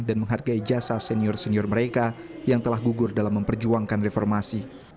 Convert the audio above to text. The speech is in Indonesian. dan menghargai jasa senior senior mereka yang telah gugur dalam memperjuangkan reformasi